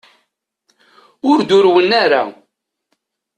Ur d-urwen ara.